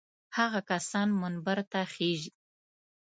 هغه کسان منبر ته خېژي.